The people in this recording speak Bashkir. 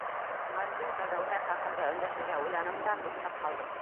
Блондинка Гәүһәр хаҡында өндәшергә уйланым да, туҡтап ҡалдым.